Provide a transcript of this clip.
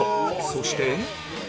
そして